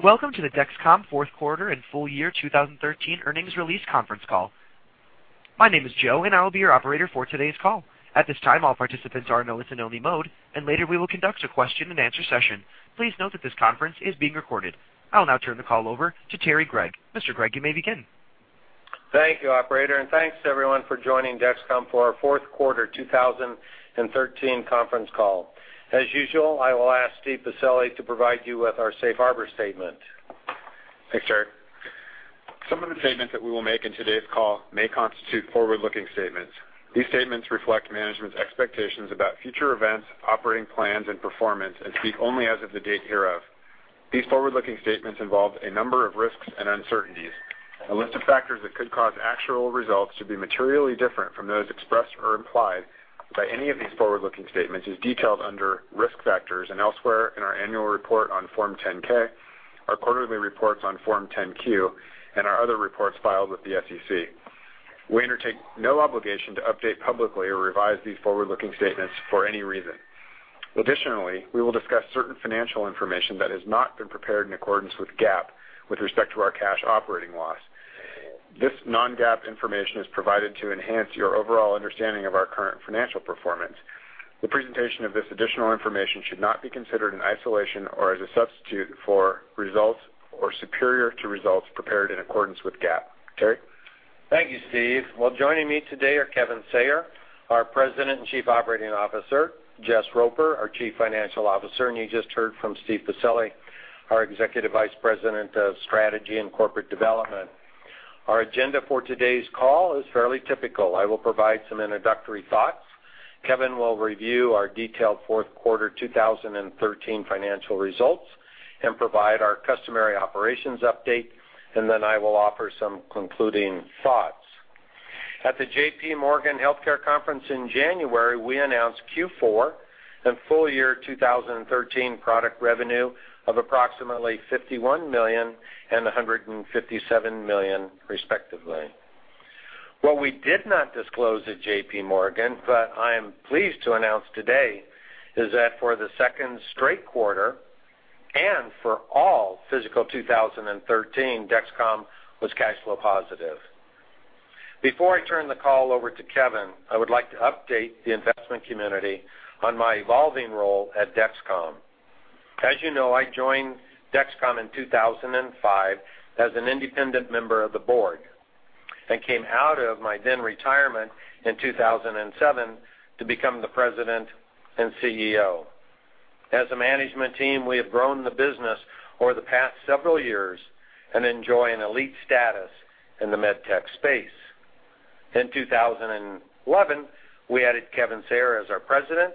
Welcome to the Dexcom fourth quarter and full year 2013 earnings release conference call. My name is Joe, and I will be your operator for today's call. At this time, all participants are in a listen-only mode, and later we will conduct a question-and-answer session. Please note that this conference is being recorded. I'll now turn the call over to Terrance H. Gregg. Mr. Gregg, you may begin. Thank you, operator, and thanks everyone for joining Dexcom for our fourth quarter 2013 conference call. As usual, I will ask Steven Pacelli to provide you with our safe harbor statement. Thanks, Terry. Some of the statements that we will make in today's call may constitute forward-looking statements. These statements reflect management's expectations about future events, operating plans, and performance and speak only as of the date hereof. These forward-looking statements involve a number of risks and uncertainties. A list of factors that could cause actual results to be materially different from those expressed or implied by any of these forward-looking statements is detailed under Risk Factors and elsewhere in our annual report on Form 10-K, our quarterly reports on Form 10-Q, and our other reports filed with the SEC. We undertake no obligation to update publicly or revise these forward-looking statements for any reason. Additionally, we will discuss certain financial information that has not been prepared in accordance with GAAP with respect to our cash operating loss. This non-GAAP information is provided to enhance your overall understanding of our current financial performance. The presentation of this additional information should not be considered in isolation or as a substitute for results or superior to results prepared in accordance with GAAP. Terry. Thank you, Steve. Well, joining me today are Kevin Sayer, our President and Chief Operating Officer, Jess Roper, our Chief Financial Officer, and you just heard from Steve Pacelli, our Executive Vice President of Strategy and Corporate Development. Our agenda for today's call is fairly typical. I will provide some introductory thoughts. Kevin will review our detailed fourth-quarter 2013 financial results and provide our customary operations update, and then I will offer some concluding thoughts. At the J.P. Morgan Healthcare Conference in January, we announced Q4 and full year 2013 product revenue of approximately $51 million and $157 million, respectively. What we did not disclose at J.P. Morgan, but I am pleased to announce today, is that for the second straight quarter and for all fiscal 2013, Dexcom was cash flow positive. Before I turn the call over to Kevin, I would like to update the investment community on my evolving role at Dexcom. As you know, I joined Dexcom in 2005 as an independent member of the board and came out of my then retirement in 2007 to become the President and CEO. As a management team, we have grown the business over the past several years and enjoy an elite status in the med tech space. In 2011, we added Kevin Sayer as our President,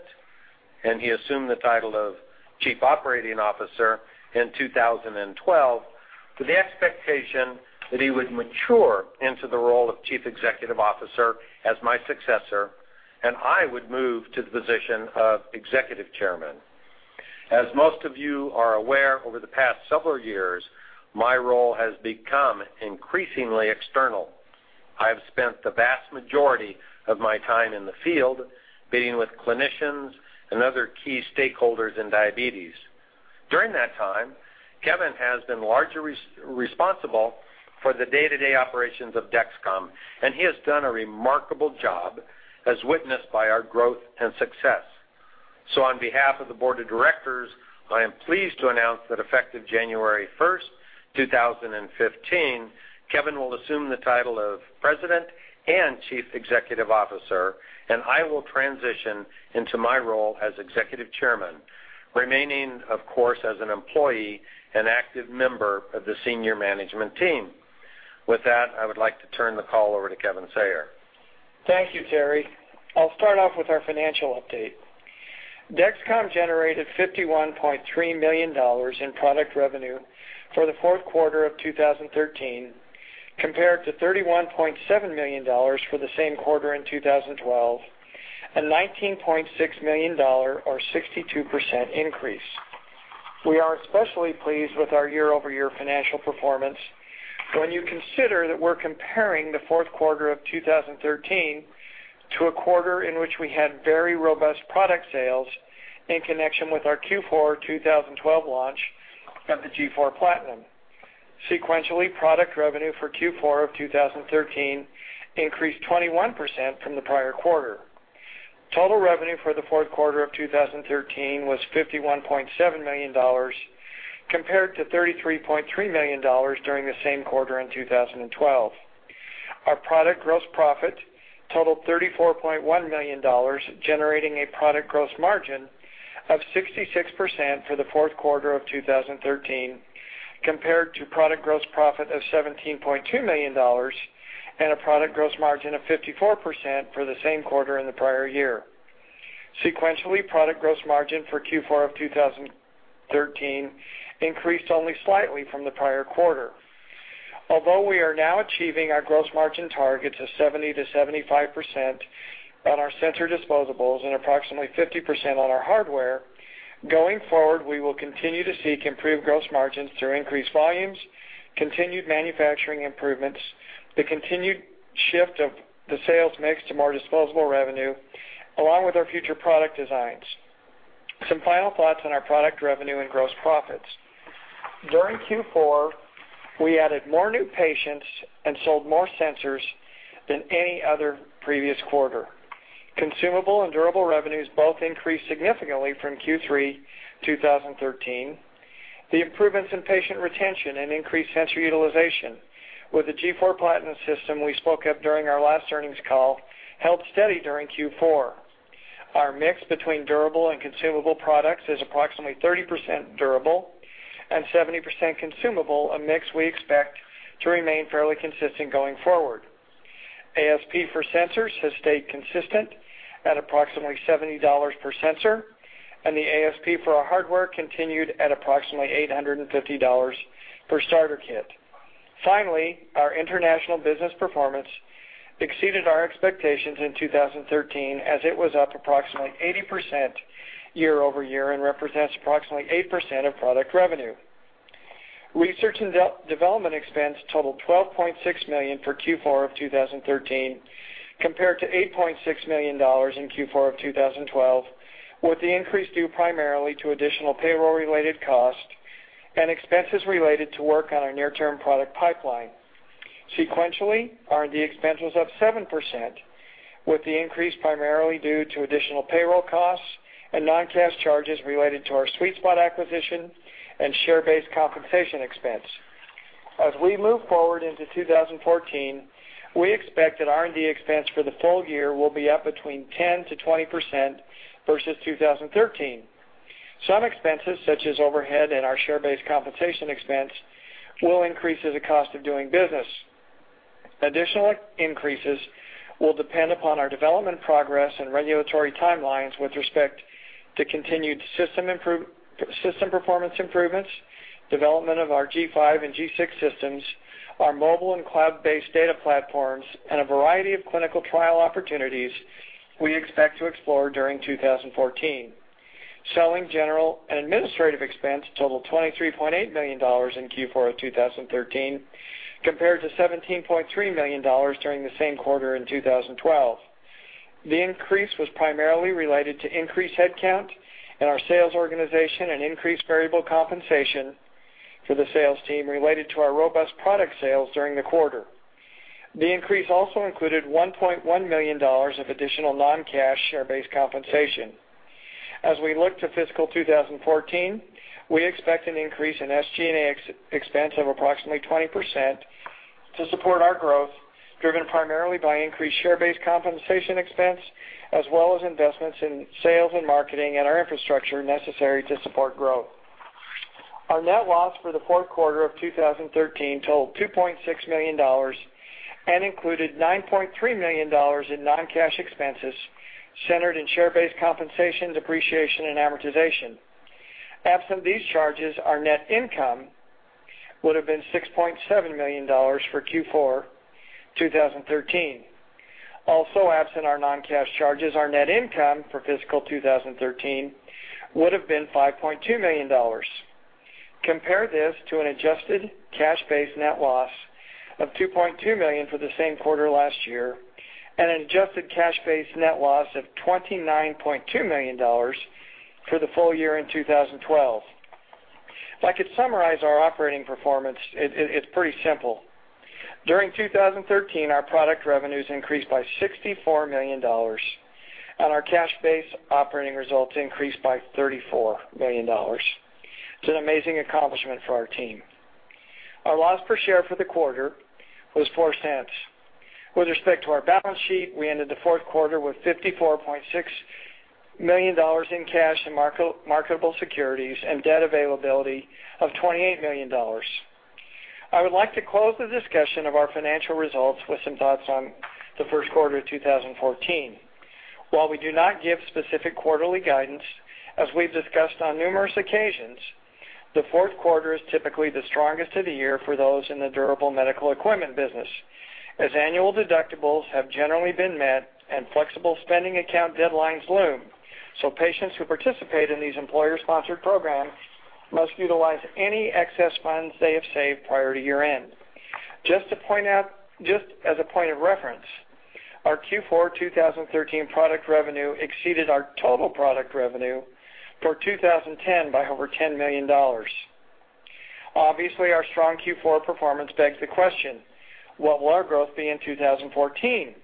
and he assumed the title of Chief Operating Officer in 2012 with the expectation that he would mature into the role of Chief Executive Officer as my successor, and I would move to the position of Executive Chairman. As most of you are aware, over the past several years, my role has become increasingly external. I have spent the vast majority of my time in the field being with clinicians and other key stakeholders in diabetes. During that time, Kevin has been largely responsible for the day-to-day operations of Dexcom, and he has done a remarkable job, as witnessed by our growth and success. On behalf of the board of directors, I am pleased to announce that effective January 1, 2015, Kevin will assume the title of president and chief executive officer, and I will transition into my role as executive chairman, remaining, of course, as an employee and active member of the senior management team. With that, I would like to turn the call over to Kevin Sayer. Thank you, Terry. I'll start off with our financial update. Dexcom generated $51.3 million in product revenue for the fourth quarter of 2013 compared to $31.7 million for the same quarter in 2012, a $19.6 million or 62% increase. We are especially pleased with our year-over-year financial performance when you consider that we're comparing the fourth quarter of 2013 to a quarter in which we had very robust product sales in connection with our Q4 2012 launch of the G4 PLATINUM. Sequentially, product revenue for Q4 of 2013 increased 21% from the prior quarter. Total revenue for the fourth quarter of 2013 was $51.7 million compared to $33.3 million during the same quarter in 2012. Our product gross profit totaled $34.1 million, generating a product gross margin of 66% for the fourth quarter of 2013 compared to product gross profit of $17.2 million and a product gross margin of 54% for the same quarter in the prior year. Sequentially, product gross margin for Q4 of 2013 increased only slightly from the prior quarter. Although we are now achieving our gross margin targets of 70%-75% on our sensor disposables and approximately 50% on our hardware, going forward, we will continue to seek improved gross margins through increased volumes, continued manufacturing improvements, the continued shift of the sales mix to more disposable revenue, along with our future product designs. Some final thoughts on our product revenue and gross profits. During Q4, we added more new patients and sold more sensors than any other previous quarter. Consumable and durable revenues both increased significantly from Q3 2013. The improvements in patient retention and increased sensor utilization with the G4 PLATINUM system we spoke of during our last earnings call held steady during Q4. Our mix between durable and consumable products is approximately 30% durable and 70% consumable, a mix we expect to remain fairly consistent going forward. ASP for sensors has stayed consistent at approximately $70 per sensor, and the ASP for our hardware continued at approximately $850 per starter kit. Finally, our international business performance exceeded our expectations in 2013 as it was up approximately 80% year over year and represents approximately 8% of product revenue. Research and development expense totaled $12.6 million for Q4 of 2013, compared to $8.6 million in Q4 of 2012, with the increase due primarily to additional payroll-related costs and expenses related to work on our near-term product pipeline. Sequentially, our R&D expense was up 7%, with the increase primarily due to additional payroll costs and non-cash charges related to our SweetSpot acquisition and share-based compensation expense. As we move forward into 2014, we expect that R&D expense for the full year will be up between 10%-20% versus 2013. Some expenses, such as overhead and our share-based compensation expense, will increase as a cost of doing business. Additional increases will depend upon our development progress and regulatory timelines with respect to continued system performance improvements, development of our G5 and G6 systems, our mobile and cloud-based data platforms, and a variety of clinical trial opportunities we expect to explore during 2014. Selling, general and administrative expense totaled $23.8 million in Q4 of 2013, compared to $17.3 million during the same quarter in 2012. The increase was primarily related to increased headcount in our sales organization and increased variable compensation for the sales team related to our robust product sales during the quarter. The increase also included $1.1 million of additional non-cash share-based compensation. As we look to fiscal 2014, we expect an increase in SG&A expense of approximately 20% to support our growth, driven primarily by increased share-based compensation expense as well as investments in sales and marketing and our infrastructure necessary to support growth. Our net loss for the fourth quarter of 2013 totaled $2.6 million and included $9.3 million in non-cash expenses centered in share-based compensation, depreciation, and amortization. Absent these charges, our net income would have been $6.7 million for Q4 2013. Also absent our non-cash charges, our net income for fiscal 2013 would have been $5.2 million. Compare this to an adjusted cash-based net loss of $2.2 million for the same quarter last year and an adjusted cash-based net loss of $29.2 million for the full year in 2012. If I could summarize our operating performance, it's pretty simple. During 2013, our product revenues increased by $64 million, and our cash-based operating results increased by $34 million. It's an amazing accomplishment for our team. Our loss per share for the quarter was $0.04. With respect to our balance sheet, we ended the fourth quarter with $54.6 million in cash and marketable securities and debt availability of $28 million. I would like to close the discussion of our financial results with some thoughts on the first quarter of 2014. While we do not give specific quarterly guidance, as we've discussed on numerous occasions, the fourth quarter is typically the strongest of the year for those in the durable medical equipment business, as annual deductibles have generally been met and flexible spending account deadlines loom, so patients who participate in these employer-sponsored programs must utilize any excess funds they have saved prior to year-end. Just as a point of reference, our Q4 2013 product revenue exceeded our total product revenue for 2010 by over $10 million. Obviously, our strong Q4 performance begs the question: What will our growth be in 2014?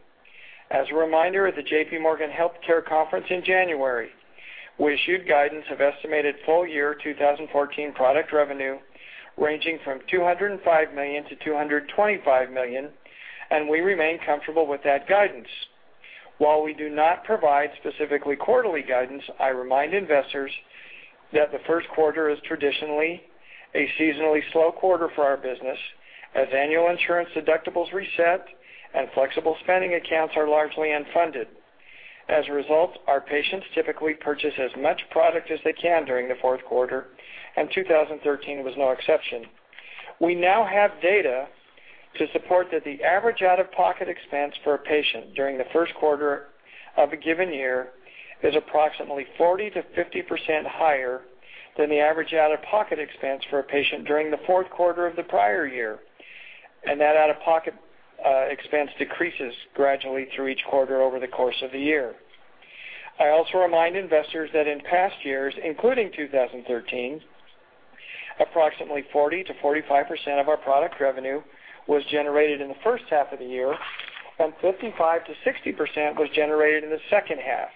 As a reminder, at the J.P. Morgan Healthcare Conference in January, we issued guidance of estimated full year 2014 product revenue ranging from $205 million to $225 million, and we remain comfortable with that guidance. While we do not provide specifically quarterly guidance, I remind investors that the first quarter is traditionally a seasonally slow quarter for our business, as annual insurance deductibles reset and flexible spending accounts are largely unfunded. As a result, our patients typically purchase as much product as they can during the fourth quarter, and 2013 was no exception. We now have data to support that the average out-of-pocket expense for a patient during the first quarter of a given year is approximately 40%-50% higher than the average out-of-pocket expense for a patient during the fourth quarter of the prior year. That out-of-pocket expense decreases gradually through each quarter over the course of the year. I also remind investors that in past years, including 2013, approximately 40%-45% of our product revenue was generated in the first half of the year, and 55%-60% was generated in the second half,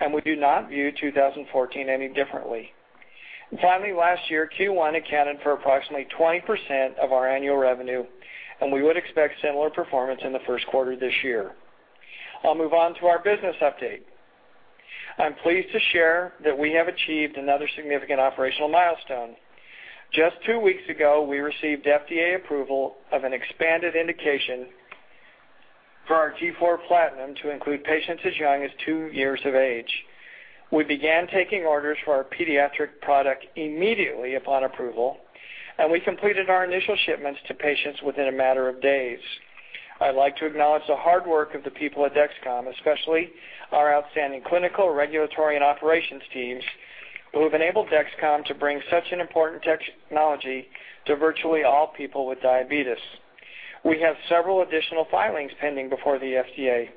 and we do not view 2014 any differently. Finally, last year, Q1 accounted for approximately 20% of our annual revenue, and we would expect similar performance in the first quarter this year. I'll move on to our business update. I'm pleased to share that we have achieved another significant operational milestone. Just 2 weeks ago, we received FDA approval of an expanded indication for our G4 PLATINUM to include patients as young as 2 years of age. We began taking orders for our pediatric product immediately upon approval, and we completed our initial shipments to patients within a matter of days. I'd like to acknowledge the hard work of the people at Dexcom, especially our outstanding clinical, regulatory, and operations teams, who have enabled Dexcom to bring such an important technology to virtually all people with diabetes. We have several additional filings pending before the FDA,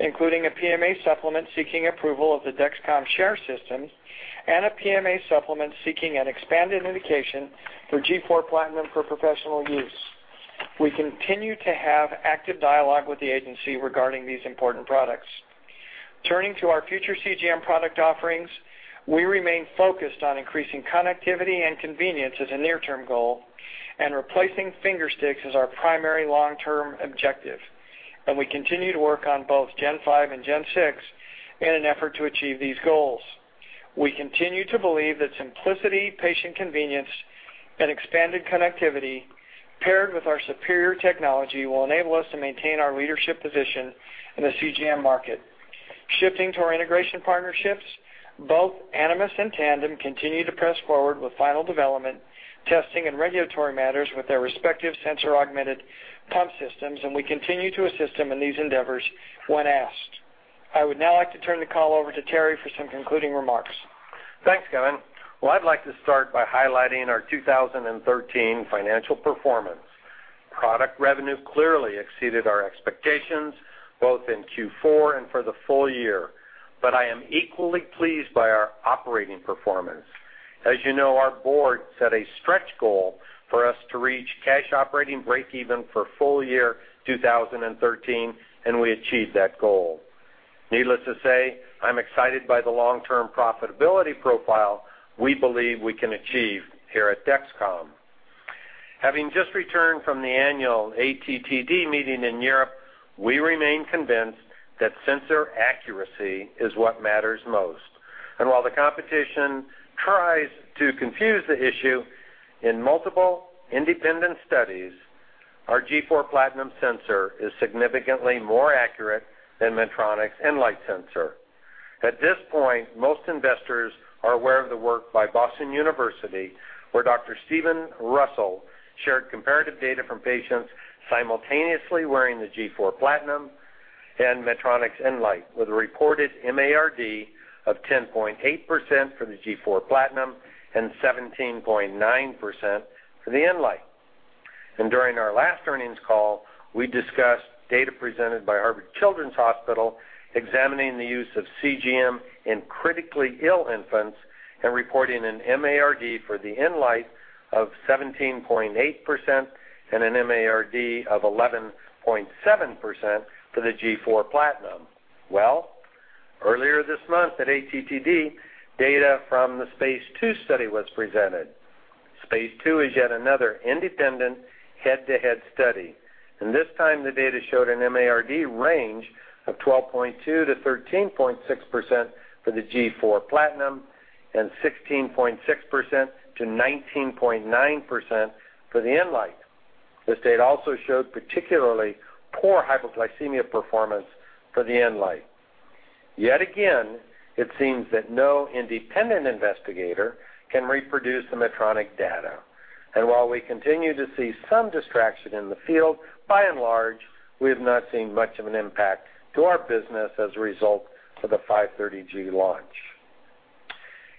including a PMA supplement seeking approval of the Dexcom Share system and a PMA supplement seeking an expanded indication for G4 PLATINUM for professional use. We continue to have active dialogue with the agency regarding these important products. Turning to our future CGM product offerings, we remain focused on increasing connectivity and convenience as a near-term goal, and replacing finger sticks is our primary long-term objective, and we continue to work on both G5 and G6 in an effort to achieve these goals. We continue to believe that simplicity, patient convenience, and expanded connectivity paired with our superior technology will enable us to maintain our leadership position in the CGM market. Shifting to our integration partnerships, both Animas and Tandem continue to press forward with final development, testing, and regulatory matters with their respective sensor-augmented pump systems, and we continue to assist them in these endeavors when asked. I would now like to turn the call over to Terry for some concluding remarks. Thanks, Kevin. Well, I'd like to start by highlighting our 2013 financial performance. Product revenue clearly exceeded our expectations both in Q4 and for the full year. I am equally pleased by our operating performance. As you know, our board set a stretch goal for us to reach cash operating breakeven for full year 2013, and we achieved that goal. Needless to say, I'm excited by the long-term profitability profile we believe we can achieve here at Dexcom. Having just returned from the annual ATTD meeting in Europe, we remain convinced that sensor accuracy is what matters most. While the competition tries to confuse the issue, in multiple independent studies, our G4 PLATINUM sensor is significantly more accurate than Medtronic's Enlite sensor. At this point, most investors are aware of the work by Boston University, where Dr. Steven Russell shared comparative data from patients simultaneously wearing the G4 PLATINUM and Medtronic's Enlite with a reported MARD of 10.8% for the G4 PLATINUM and 17.9% for the Enlite. During our last earnings call, we discussed data presented by Boston Children's Hospital examining the use of CGM in critically ill infants and reporting an MARD for the Enlite of 17.8% and an MARD of 11.7% for the G4 PLATINUM. Well, earlier this month at ATTD, data from the SPACE-2 study was presented. SPACE-2 is yet another independent head-to-head study, and this time the data showed an MARD range of 12.2%-13.6% for the G4 PLATINUM and 16.6%-19.9% for the Enlite. This data also showed particularly poor hypoglycemia performance for the Enlite. Yet again, it seems that no independent investigator can reproduce the Medtronic data. While we continue to see some distraction in the field, by and large, we have not seen much of an impact to our business as a result of the MiniMed 530G launch.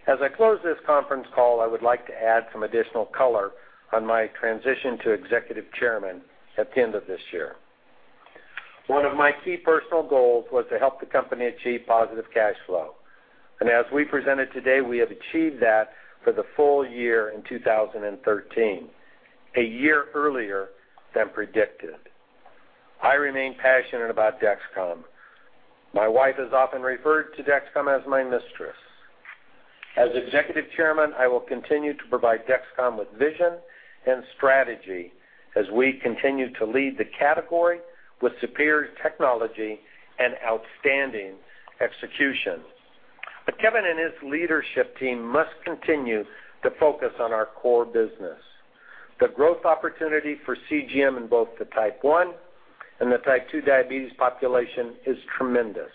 As I close this conference call, I would like to add some additional color on my transition to executive chairman at the end of this year. One of my key personal goals was to help the company achieve positive cash flow. As we presented today, we have achieved that for the full year in 2013, a year earlier than predicted. I remain passionate about Dexcom. My wife has often referred to Dexcom as my mistress. As executive chairman, I will continue to provide Dexcom with vision and strategy as we continue to lead the category with superior technology and outstanding execution. Kevin and his leadership team must continue to focus on our core business. The growth opportunity for CGM in both the Type 1 and the Type 2 diabetes population is tremendous.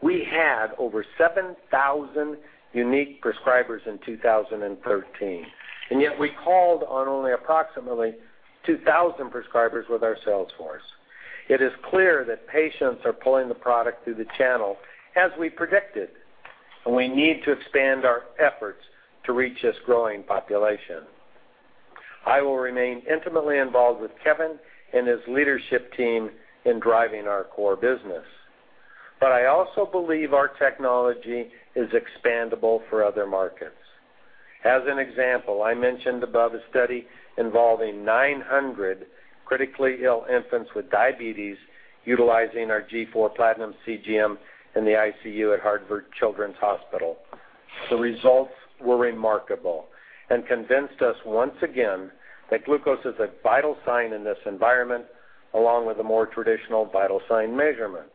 We had over 7,000 unique prescribers in 2013, and yet we called on only approximately 2,000 prescribers with our sales force. It is clear that patients are pulling the product through the channel as we predicted, and we need to expand our efforts to reach this growing population. I will remain intimately involved with Kevin and his leadership team in driving our core business, but I also believe our technology is expandable for other markets. As an example, I mentioned above a study involving 900 critically ill infants with diabetes utilizing our G4 PLATINUM CGM in the ICU at Boston Children's Hospital. The results were remarkable and convinced us once again that glucose is a vital sign in this environment, along with the more traditional vital sign measurements.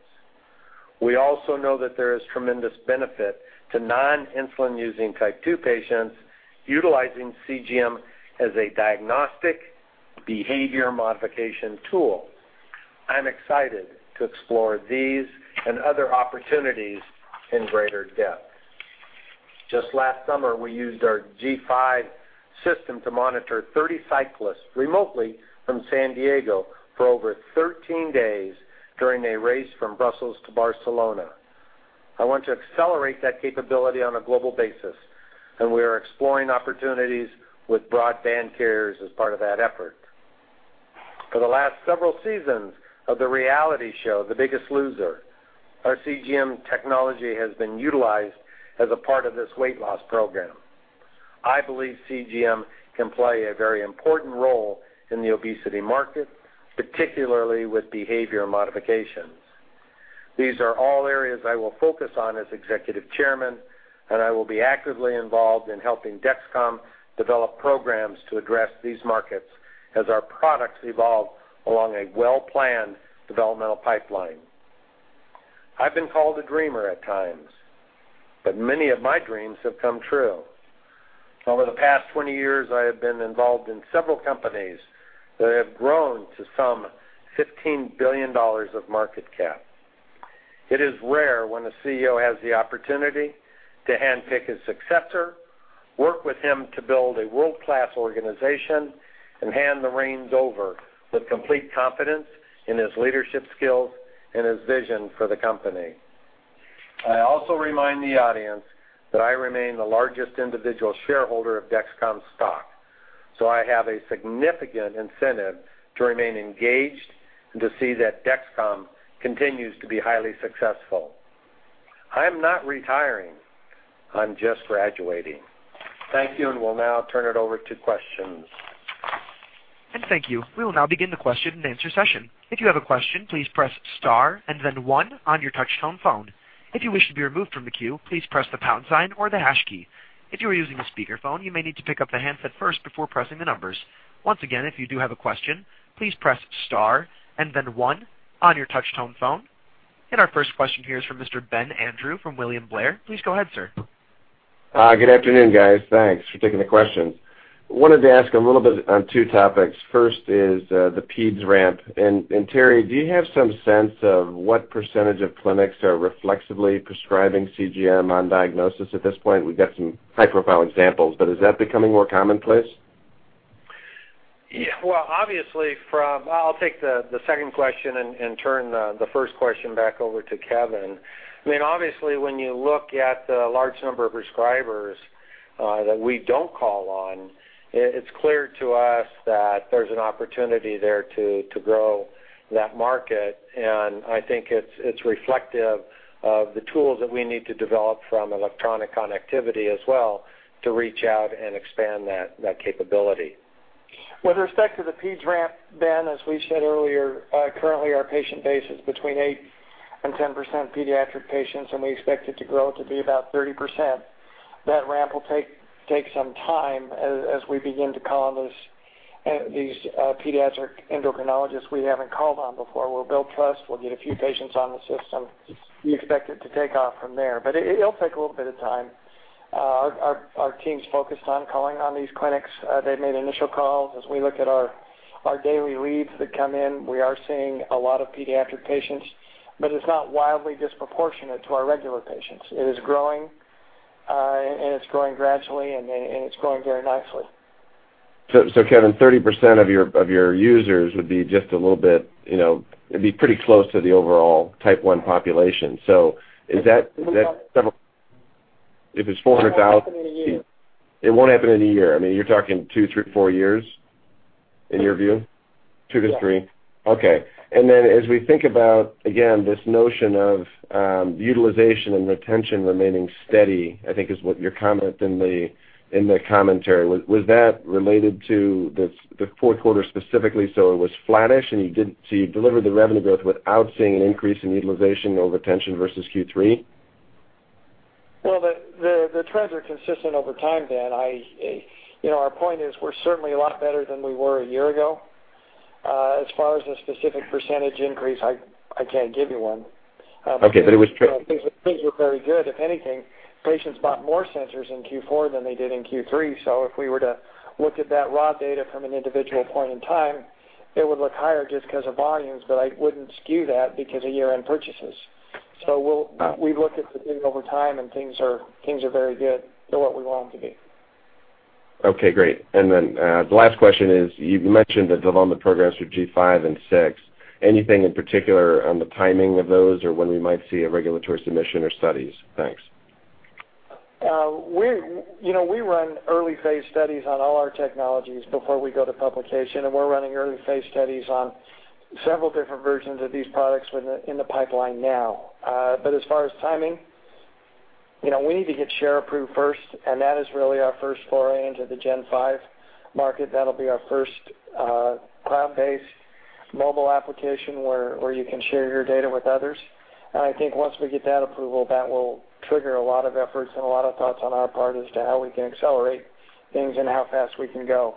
We also know that there is tremendous benefit to non-insulin using type 2 patients utilizing CGM as a diagnostic behavior modification tool. I'm excited to explore these and other opportunities in greater depth. Just last summer, we used our G5 system to monitor 30 cyclists remotely from San Diego for over 13 days during a race from Brussels to Barcelona. I want to accelerate that capability on a global basis, and we are exploring opportunities with broadband carriers as part of that effort. For the last several seasons of the reality show The Biggest Loser, our CGM technology has been utilized as a part of this weight loss program. I believe CGM can play a very important role in the obesity market, particularly with behavior modifications. These are all areas I will focus on as executive chairman, and I will be actively involved in helping Dexcom develop programs to address these markets as our products evolve along a well-planned developmental pipeline. I've been called a dreamer at times, but many of my dreams have come true. Over the past 20 years, I have been involved in several companies that have grown to some $15 billion of market cap. It is rare when a CEO has the opportunity to handpick his successor, work with him to build a world-class organization, and hand the reins over with complete confidence in his leadership skills and his vision for the company. I also remind the audience that I remain the largest individual shareholder of Dexcom stock, so I have a significant incentive to remain engaged and to see that Dexcom continues to be highly successful. I'm not retiring. I'm just graduating. Thank you, and we'll now turn it over to questions. Thank you. We will now begin the question-and-answer session. If you have a question, please press star and then one on your touch-tone phone. If you wish to be removed from the queue, please press the pound sign or the hash key. If you are using a speakerphone, you may need to pick up the handset first before pressing the numbers. Once again, if you do have a question, please press star and then one on your touch-tone phone. Our first question here is from Mr. Ben Andrews from William Blair. Please go ahead, sir. Good afternoon, guys. Thanks for taking the questions. Wanted to ask a little bit on two topics. First is, the peds ramp. Terry, do you have some sense of what percentage of clinics are reflexively prescribing CGM on diagnosis at this point? We've got some high-profile examples, but is that becoming more commonplace? Yeah, well, obviously, I'll take the second question and turn the first question back over to Kevin. I mean, obviously, when you look at the large number of prescribers that we don't call on, it's clear to us that there's an opportunity there to grow that market. I think it's reflective of the tools that we need to develop from electronic connectivity as well to reach out and expand that capability. With respect to the peds ramp, Ben, as we said earlier, currently our patient base is between 8% and 10% pediatric patients, and we expect it to grow to be about 30%. That ramp will take some time as we begin to call on these pediatric endocrinologists we haven't called on before. We'll build trust. We'll get a few patients on the system. We expect it to take off from there, but it'll take a little bit of time. Our team's focused on calling on these clinics. They've made initial calls. As we look at our daily leads that come in, we are seeing a lot of pediatric patients, but it's not wildly disproportionate to our regular patients. It is growing, and it's growing gradually, and it's growing very nicely. Kevin, 30% of your users would be just a little bit, you know, it'd be pretty close to the overall Type 1 population. Is that several? If it's 400,000 It won't happen in a year. It won't happen in a year. I mean, you're talking two, three, four years in your view? Yes. 2 to 3? Okay. Then as we think about, again, this notion of utilization and retention remaining steady, I think is what your comment in the commentary. Was that related to the fourth quarter specifically? It was flattish, and you delivered the revenue growth without seeing an increase in utilization over retention versus Q3? Well, the trends are consistent over time, Ben. I, you know, our point is we're certainly a lot better than we were a year ago. As far as the specific percentage increase, I can't give you one. Okay. You know, things were very good. If anything, patients bought more sensors in Q4 than they did in Q3. If we were to look at that raw data from an individual point in time, it would look higher just 'cause of volumes, but I wouldn't skew that because of year-end purchases. We've looked at the data over time, and things are very good. They're what we want them to be. Okay, great. The last question is, you mentioned the development programs for G5 and G6. Anything in particular on the timing of those or when we might see a regulatory submission or studies? Thanks. You know, we run early-phase studies on all our technologies before we go to publication, and we're running early-phase studies on several different versions of these products in the pipeline now. But as far as timing, you know, we need to get share approved first, and that is really our first foray into the Gen 5 market. That'll be our first cloud-based mobile application where you can share your data with others. I think once we get that approval, that will trigger a lot of efforts and a lot of thoughts on our part as to how we can accelerate things and how fast we can go.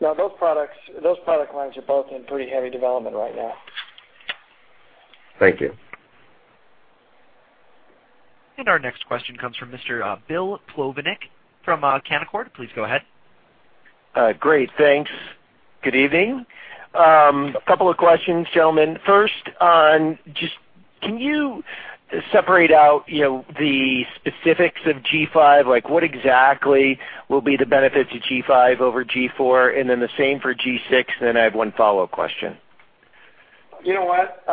Those products, those product lines are both in pretty heavy development right now. Thank you. Our next question comes from Mr. Bill Plovanic from Canaccord. Please go ahead. Great. Thanks. Good evening. A couple of questions, gentlemen. First off, just can you separate out, you know, the specifics of G5? Like, what exactly will be the benefit to G5 over G4? Then the same for G6, then I have one follow-up question. You know what?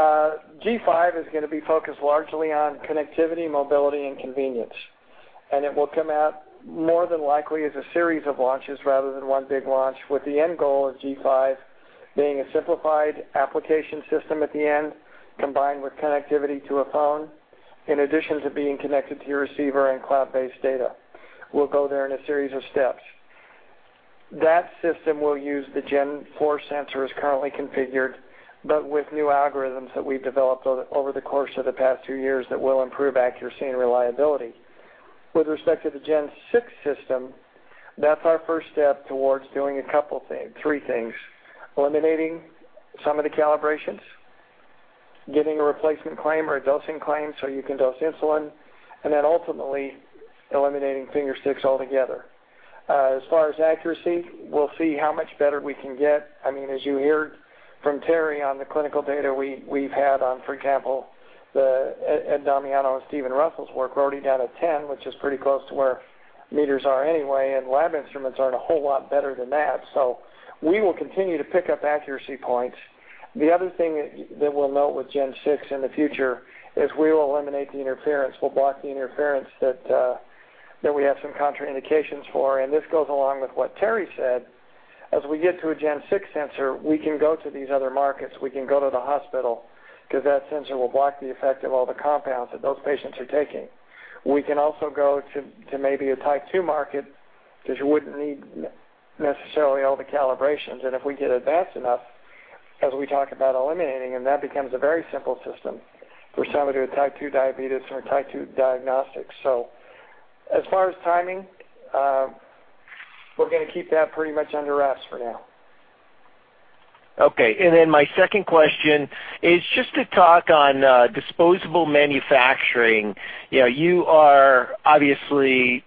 G5 is gonna be focused largely on connectivity, mobility, and convenience. It will come out more than likely as a series of launches rather than one big launch, with the end goal of G5 being a simplified application system at the end, combined with connectivity to a phone, in addition to being connected to your receiver and cloud-based data. We'll go there in a series of steps. That system will use the Dexcom G4 sensors currently configured, but with new algorithms that we've developed over the course of the past two years that will improve accuracy and reliability. With respect to the G6 system, that's our first step towards doing three things, eliminating some of the calibrations, getting a replacement claim or a dosing claim so you can dose insulin, and then ultimately eliminating finger sticks altogether. As far as accuracy, we'll see how much better we can get. I mean, as you heard from Terry on the clinical data we've had on, for example, the Ed Damiano and Steven Russell's work, we're already down to 10, which is pretty close to where meters are anyway, and lab instruments aren't a whole lot better than that. We will continue to pick up accuracy points. The other thing that we'll note with Gen 6 in the future is we will eliminate the interference. We'll block the interference that we have some contraindications for. This goes along with what Terry said. As we get to a Gen 6 sensor, we can go to these other markets. We can go to the hospital 'cause that sensor will block the effect of all the compounds that those patients are taking. We can also go to maybe a Type 2 market because you wouldn't need necessarily all the calibrations. If we get advanced enough, as we talk about eliminating, and that becomes a very simple system for somebody with Type 2 diabetes or Type 2 diagnostics. As far as timing, we're gonna keep that pretty much under wraps for now. My second question is just to talk on disposable manufacturing. You know, you are obviously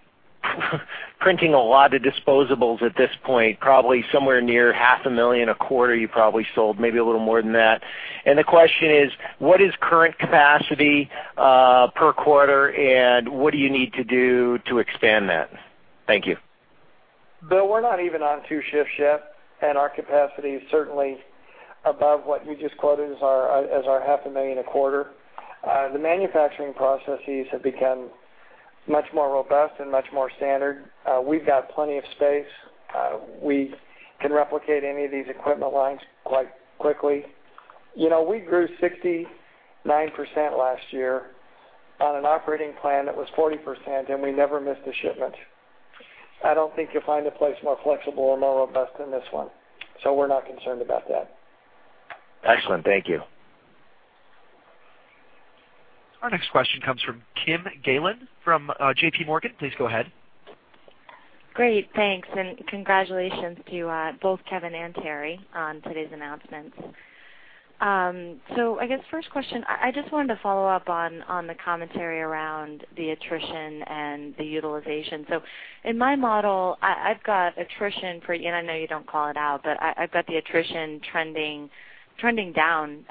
printing a lot of disposables at this point, probably somewhere near 500,000 a quarter you probably sold, maybe a little more than that. The question is, what is current capacity per quarter, and what do you need to do to expand that? Thank you. Bill, we're not even on two shifts yet, and our capacity is certainly above what you just quoted as our 500,000 a quarter. The manufacturing processes have become much more robust and much more standard. We've got plenty of space. We can replicate any of these equipment lines quite quickly. You know, we grew 69% last year on an operating plan that was 40%, and we never missed a shipment. I don't think you'll find a place more flexible and more robust than this one, so we're not concerned about that. Excellent. Thank you. Our next question comes from Kim Gailun from J.P. Morgan. Please go ahead. Great. Thanks, and congratulations to both Kevin and Terry on today's announcements. I guess first question, I just wanted to follow up on the commentary around the attrition and the utilization. In my model, I've got attrition, and I know you don't call it out, but I've got the attrition trending down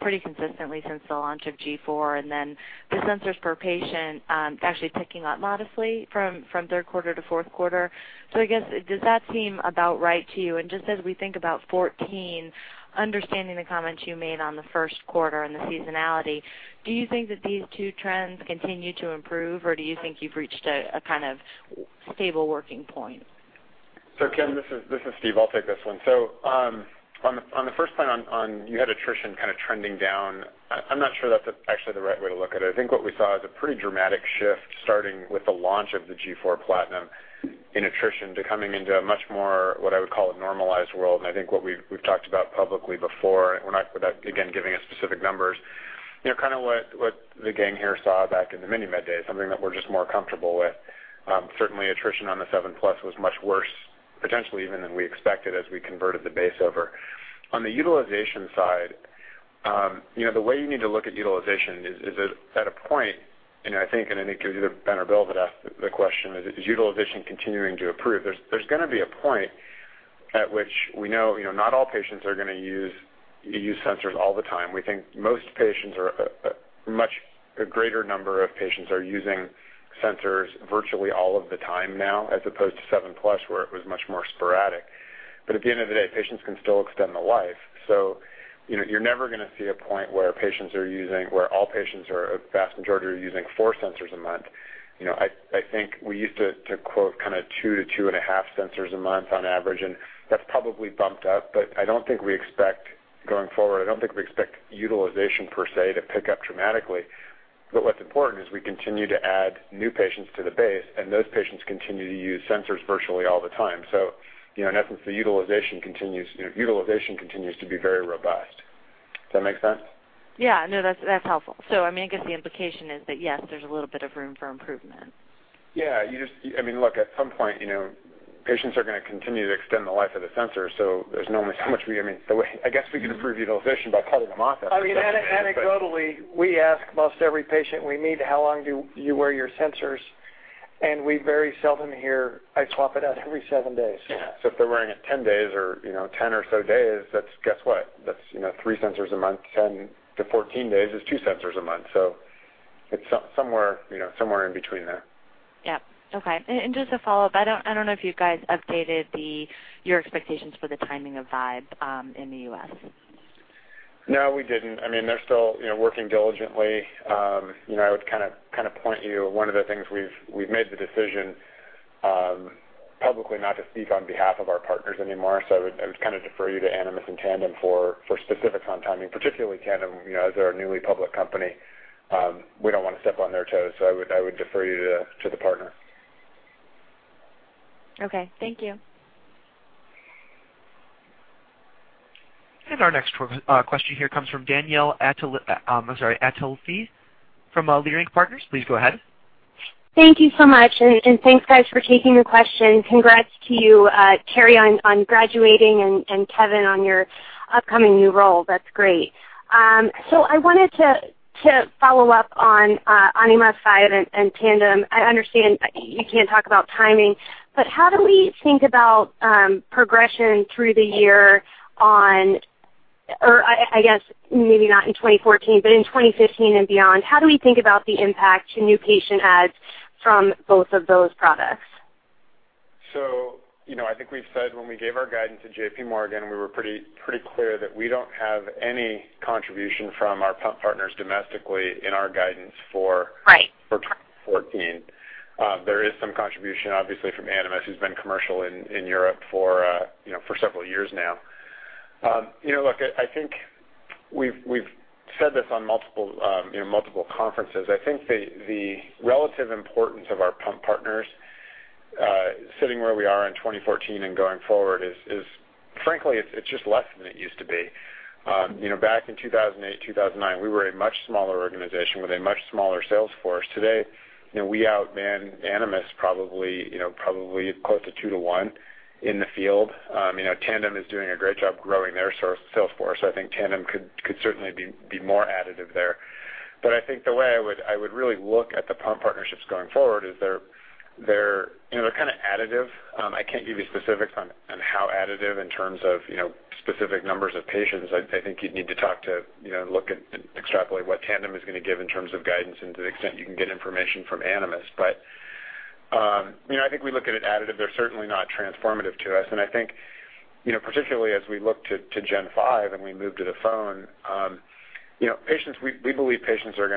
pretty consistently since the launch of G4, and then the sensors per patient actually ticking up modestly from third quarter to fourth quarter. I guess, does that seem about right to you? Just as we think about 2014, understanding the comments you made on the first quarter and the seasonality, do you think that these two trends continue to improve, or do you think you've reached a kind of stable working point? Kim, this is Steve. I'll take this one. On the first point, you had attrition kind of trending down. I'm not sure that's actually the right way to look at it. I think what we saw is a pretty dramatic shift starting with the launch of the G4 PLATINUM in attrition to coming into a much more, what I would call, a normalized world. I think what we've talked about publicly before, and we're not without, again, giving out specific numbers, you know, kind of what the gang here saw back in the MiniMed days, something that we're just more comfortable with. Certainly attrition on the Seven Plus was much worse, potentially even than we expected as we converted the base over. On the utilization side, you know, the way you need to look at utilization is it at a point, and I think it was either Ben or Bill that asked the question, is utilization continuing to improve? There's gonna be a point at which we know, you know, not all patients are going to use sensors all the time. We think a much greater number of patients are using sensors virtually all of the time now, as opposed to Seven Plus, where it was much more sporadic. But at the end of the day, patients can still extend the life. You know, you're never going to see a point where all patients or a vast majority are using four sensors a month. You know, I think we used to quote kind of 2-2.5 sensors a month on average, and that's probably bumped up. I don't think we expect utilization per se to pick up dramatically going forward. What's important is we continue to add new patients to the base, and those patients continue to use sensors virtually all the time. You know, in essence, the utilization continues to be very robust. Does that make sense? Yeah. No, that's helpful. I mean, I guess the implication is that, yes, there's a little bit of room for improvement. Yeah. I mean, look, at some point, you know, patients are going to continue to extend the life of the sensor, so there's only so much I mean, the way I guess we could improve utilization by cutting them off after seven days. I mean, anecdotally, we ask most every patient we meet, how long do you wear your sensors? We very seldom hear, "I swap it out every 7 days. Yeah. If they're wearing it 10 days or, you know, 10 or so days, that's, guess what? That's, you know, three sensors a month. 10-14 days is two sensors a month. It's somewhere, you know, somewhere in between there. Yeah. Okay. Just a follow-up. I don't know if you guys updated your expectations for the timing of Vibe in the U.S. No, we didn't. I mean, they're still, you know, working diligently. You know, I would kind of point you to one of the things we've made the decision publicly not to speak on behalf of our partners anymore. I would kind of refer you to Animas and Tandem for specifics on timing, particularly Tandem, you know, as they're a newly public company. We don't want to step on their toes, so I would refer you to the partner. Okay. Thank you. Our next question here comes from Danielle Antalffy from Leerink Partners. Please go ahead. Thank you so much. Thanks guys for taking the question. Congrats to you, Terry, on graduating and Kevin on your upcoming new role. That's great. I wanted to follow up on Animas Vibe and Tandem. I understand you can't talk about timing, but how do we think about progression through the year or I guess maybe not in 2014, but in 2015 and beyond. How do we think about the impact to new patient adds from both of those products? You know, I think we've said when we gave our guidance at J.P. Morgan, we were pretty clear that we don't have any contribution from our pump partners domestically in our guidance for Right. for 2014. There is some contribution, obviously, from Animas, who's been commercial in Europe for several years now. You know, look, I think we've said this on multiple conferences. I think the relative importance of our pump partners sitting where we are in 2014 and going forward is frankly just less than it used to be. You know, back in 2008, 2009, we were a much smaller organization with a much smaller sales force. Today, you know, we outman Animas probably close to 2-to-1 in the field. You know, Tandem is doing a great job growing their sales force. I think Tandem could certainly be more additive there. I think the way I would really look at the pump partnerships going forward is they're you know they're kind of additive. I can't give you specifics on how additive in terms of you know specific numbers of patients. I think you'd need to talk to you know look and extrapolate what Tandem is going to give in terms of guidance and to the extent you can get information from Animas. You know I think we look at it additive. They're certainly not transformative to us. I think, you know, particularly as we look to gen five and we move to the phone, you know, patients, we believe patients are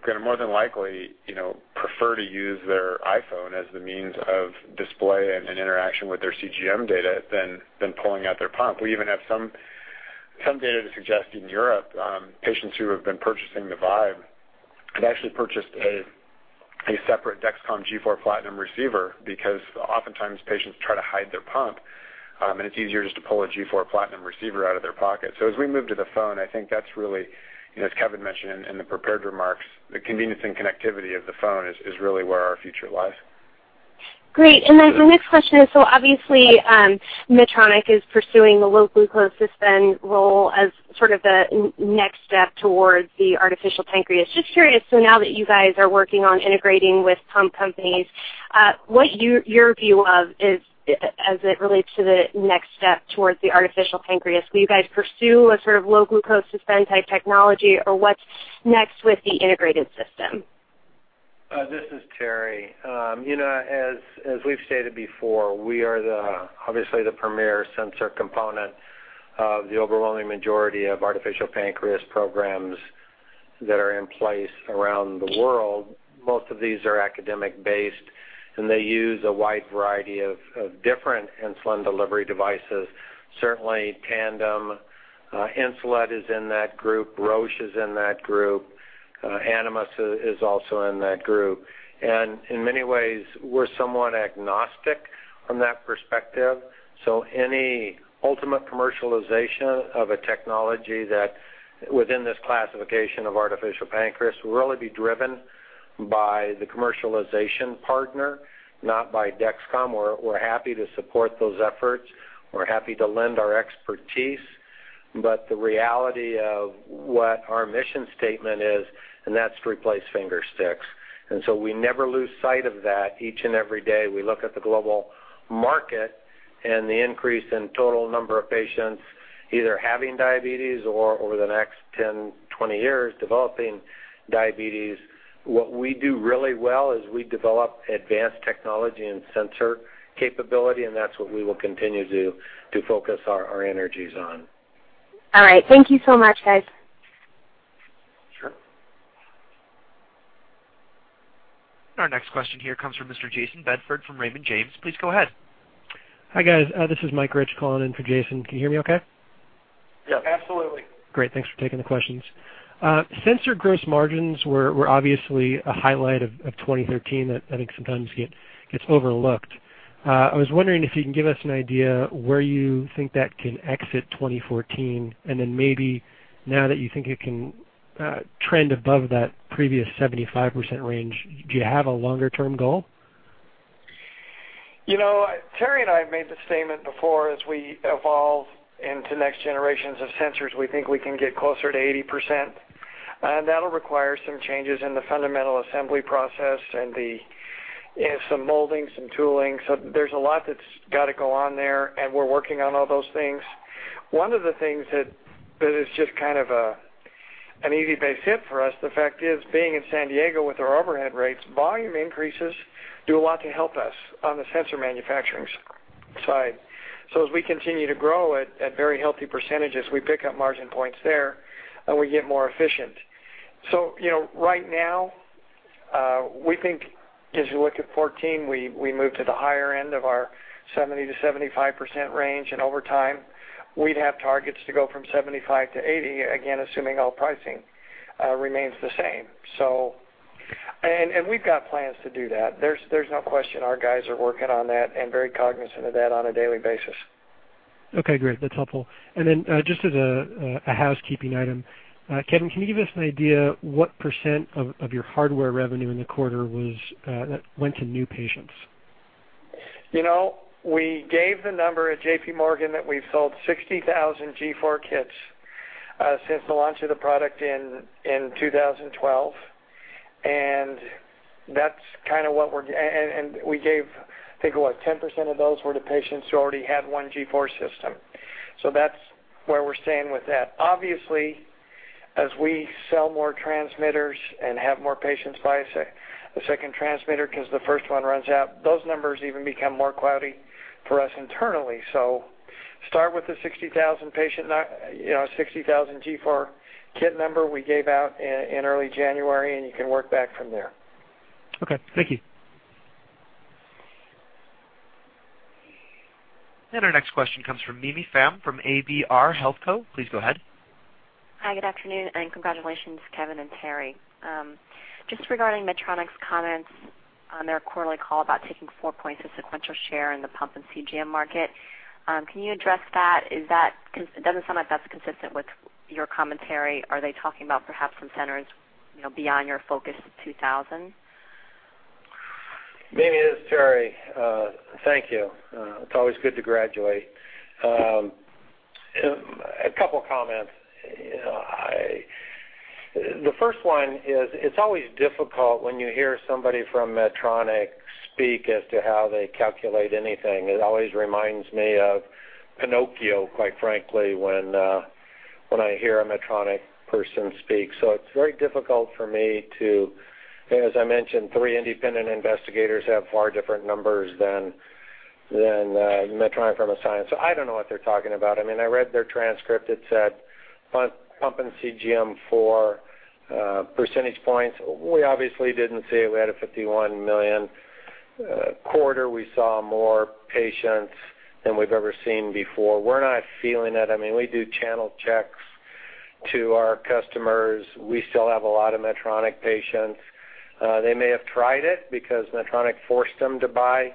gonna more than likely, you know, prefer to use their iPhone as the means of display and interaction with their CGM data than pulling out their pump. We even have some data to suggest in Europe, patients who have been purchasing the Vibe have actually purchased a separate Dexcom G4 PLATINUM receiver because oftentimes patients try to hide their pump, and it's easier just to pull a G4 PLATINUM receiver out of their pocket. As we move to the phone, I think that's really, you know, as Kevin mentioned in the prepared remarks, the convenience and connectivity of the phone is really where our future lies. Great. The next question is, so obviously, Medtronic is pursuing the low glucose suspend role as sort of the next step towards the artificial pancreas. Just curious, so now that you guys are working on integrating with pump companies, what your view is, as it relates to the next step towards the artificial pancreas? Will you guys pursue a sort of low glucose suspend type technology, or what's next with the integrated system? This is Terry. You know, as we've stated before, we are obviously the premier sensor component of the overwhelming majority of artificial pancreas programs that are in place around the world. Most of these are academic-based, and they use a wide variety of different insulin delivery devices. Certainly Tandem, Insulet is in that group. Roche is in that group. Animas is also in that group. And in many ways, we're somewhat agnostic from that perspective. So any ultimate commercialization of a technology that within this classification of artificial pancreas will really be driven by the commercialization partner, not by Dexcom. We're happy to support those efforts. We're happy to lend our expertise. The reality of what our mission statement is, and that's to replace finger sticks. We never lose sight of that. Each and every day, we look at the global market and the increase in total number of patients either having diabetes or over the next 10, 20 years, developing diabetes. What we do really well is we develop advanced technology and sensor capability, and that's what we will continue to focus our energies on. All right. Thank you so much, guys. Sure. Our next question here comes from Mr. Jayson Bedford from Raymond James. Please go ahead. Hi, guys. This is Michael Rich calling in for Jayson. Can you hear me okay? Yes. Absolutely. Great. Thanks for taking the questions. Sensor gross margins were obviously a highlight of 2013 that I think sometimes gets overlooked. I was wondering if you can give us an idea where you think that can exit 2014 and then maybe now that you think it can trend above that previous 75% range, do you have a longer-term goal? You know, Terry and I have made the statement before, as we evolve into next generations of sensors, we think we can get closer to 80%. That'll require some changes in the fundamental assembly process and in some molding, some tooling. There's a lot that's gotta go on there, and we're working on all those things. One of the things that is just kind of an easy base hit for us, the fact is being in San Diego with our overhead rates, volume increases do a lot to help us on the sensor manufacturing side. As we continue to grow at very healthy percentages, we pick up margin points there, and we get more efficient. You know, right now, we think as you look at 2014, we move to the higher end of our 70%-75% range. Over time, we'd have targets to go from 75 to 80, again, assuming all pricing remains the same. We've got plans to do that. There's no question our guys are working on that and very cognizant of that on a daily basis. Okay, great. That's helpful. Just as a housekeeping item, Kevin, can you give us an idea what % of your hardware revenue in the quarter was that went to new patients? You know, we gave the number at J.P. Morgan that we've sold 60,000 G4 kits since the launch of the product in 2012. We gave, I think, what, 10% of those were the patients who already had one G4 system. That's where we're staying with that. Obviously, as we sell more transmitters and have more patients buy a second transmitter 'cause the first one runs out, those numbers even become more cloudy for us internally. Start with the 60,000, you know, G4 kit number we gave out in early January, and you can work back from there. Okay, thank you. Our next question comes from Mimi Pham from ABR Healthco. Please go ahead. Hi, good afternoon, and congratulations, Kevin and Terry. Just regarding Medtronic's comments on their quarterly call about taking four points of sequential share in the pump and CGM market, can you address that? It doesn't sound like that's consistent with your commentary. Are they talking about perhaps some centers, you know, beyond your focus of 2,000? Mimi, this is Terry. Thank you. It's always good to graduate. A couple comments. The first one is it's always difficult when you hear somebody from Medtronic speak as to how they calculate anything. It always reminds me of Pinocchio, quite frankly, when I hear a Medtronic person speak. It's very difficult for me. As I mentioned, three independent investigators have far different numbers than Medtronic from a science. I don't know what they're talking about. I mean, I read their transcript. It said, pump and CGM for percentage points. We obviously didn't see it. We had a $51 million quarter. We saw more patients than we've ever seen before. We're not feeling it. I mean, we do channel checks to our customers. We still have a lot of Medtronic patients. They may have tried it because Medtronic forced them to buy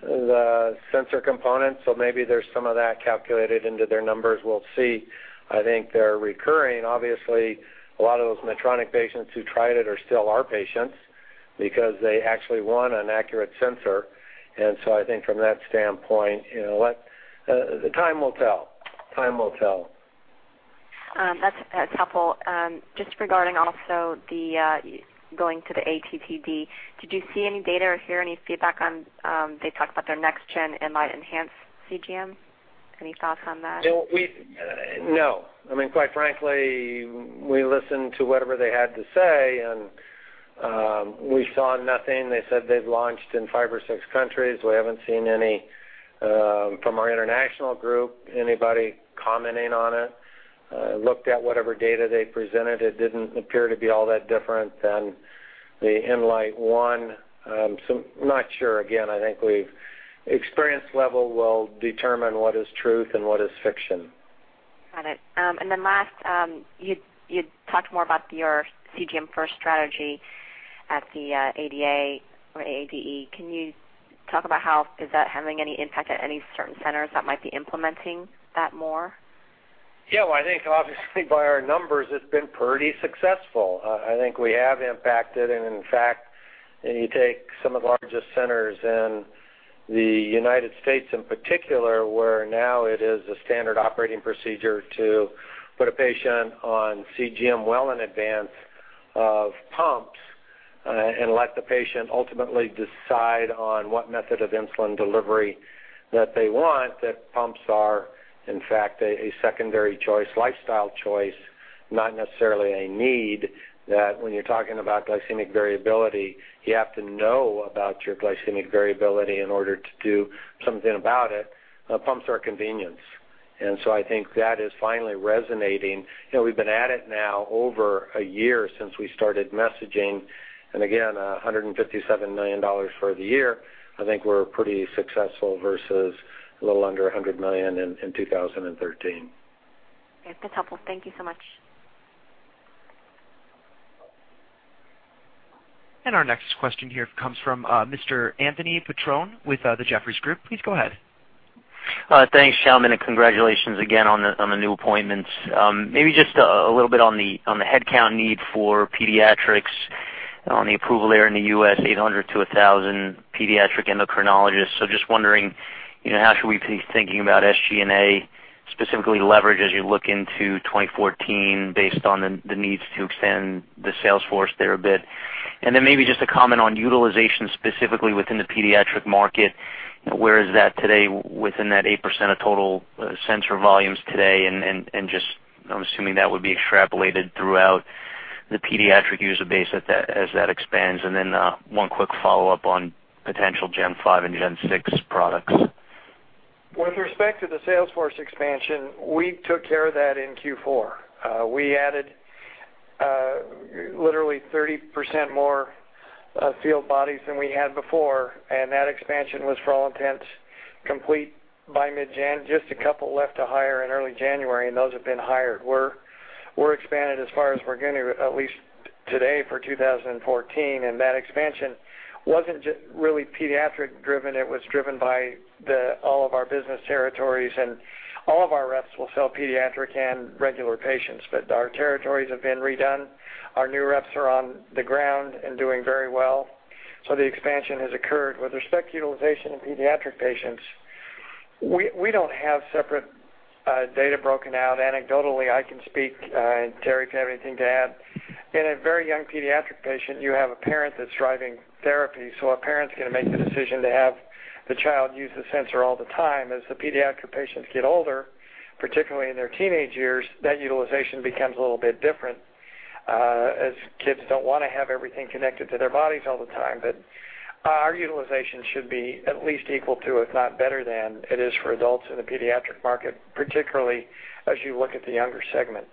the sensor components. Maybe there's some of that calculated into their numbers. We'll see. I think they're recurring. Obviously, a lot of those Medtronic patients who tried it are still our patients because they actually want an accurate sensor. I think from that standpoint, you know what? The time will tell. Time will tell. That's helpful. Just regarding also the going to the ATTD, did you see any data or hear any feedback on, they talked about their next-gen Enlite enhanced CGM? Any thoughts on that? No. I mean, quite frankly, we listened to whatever they had to say, and we saw nothing. They said they've launched in five or six countries. We haven't seen any from our international group, anybody commenting on it. Looked at whatever data they presented. It didn't appear to be all that different than the Enlite one. I'm not sure. Again, I think experience level will determine what is truth and what is fiction. Got it. Last, you talked more about your CGM first strategy at the ADA or AADE. Can you talk about how is that having any impact at any certain centers that might be implementing that more? Yeah. Well, I think obviously by our numbers, it's been pretty successful. I think we have impacted, and in fact, you take some of the largest centers in the United States in particular, where now it is a standard operating procedure to put a patient on CGM well in advance. Of pumps, and let the patient ultimately decide on what method of insulin delivery that they want. That pumps are, in fact, a secondary choice, lifestyle choice, not necessarily a need. That when you're talking about glycemic variability, you have to know about your glycemic variability in order to do something about it. Pumps are a convenience. I think that is finally resonating. You know, we've been at it now over a year since we started messaging. Again, $157 million for the year. I think we're pretty successful versus a little under $100 million in 2013. Okay. That's helpful. Thank you so much. Our next question here comes from Mr. Anthony Petrone with the Jefferies Group. Please go ahead. Thanks, gentlemen, and congratulations again on the new appointments. Maybe just a little bit on the headcount need for pediatrics on the approval there in the U.S., 800-1,000 pediatric endocrinologists. Just wondering, you know, how should we be thinking about SG&A, specifically leverage as you look into 2014 based on the needs to extend the sales force there a bit? Maybe just a comment on utilization specifically within the pediatric market. Where is that today within that 8% of total sensor volumes today? And just I'm assuming that would be extrapolated throughout the pediatric user base as that expands. One quick follow-up on potential Gen five and Gen six products. With respect to the sales force expansion, we took care of that in Q4. We added literally 30% more field bodies than we had before, and that expansion was, for all intents, complete by mid-January. Just a couple left to hire in early January, and those have been hired. We're expanded as far as we're gonna, at least today, for 2014, and that expansion wasn't really pediatric driven. It was driven by all of our business territories. All of our reps will sell pediatric and regular patients, but our territories have been redone. Our new reps are on the ground and doing very well. The expansion has occurred. With respect to utilization in pediatric patients, we don't have separate data broken out. Anecdotally, I can speak, and Terry, if you have anything to add. In a very young pediatric patient, you have a parent that's driving therapy, so a parent's gonna make the decision to have the child use the sensor all the time. As the pediatric patients get older, particularly in their teenage years, that utilization becomes a little bit different, as kids don't wanna have everything connected to their bodies all the time. Our utilization should be at least equal to, if not better than it is for adults in the pediatric market, particularly as you look at the younger segment.